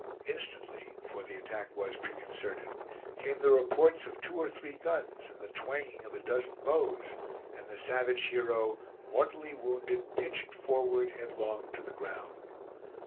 Instantly for the attack was preconcerted came the reports of two or three guns, and the twanging of a dozen bows, and the savage hero, mortally wounded, pitched forward headlong to the ground.